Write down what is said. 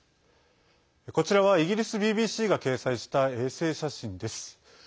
こちらは、イギリスＢＢＣが掲載した衛星写真です。